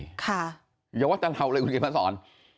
อย่าว่าจะเหล่าเลยคุณเกษตรศร